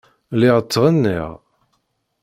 Lliɣ ttɣenniɣ.